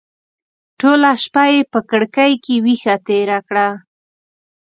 ټوله شپه یې په کړکۍ کې ویښه تېره کړه.